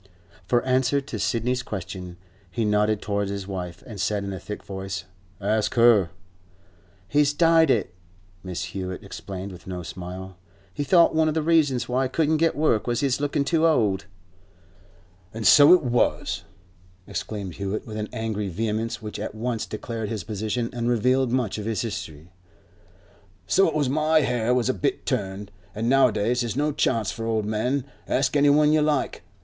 For answer to Sidney's question, he nodded towards his wife, and said in a thick voice, 'Ask her.' 'He's dyed it,' Mrs. Hewett explained, with no smile. 'He thought one of the reasons why he couldn't get work was his lookin' too old.' 'An' so it was,' exclaimed Hewett, with an angry vehemence which at once declared his position and revealed much of his history. 'So it was. My hair was a bit turned, an' nowadays there's no chance for old men. Ask any one you like.